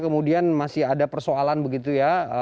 kemudian masih ada persoalan begitu ya